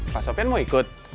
pak sopyan mau ikut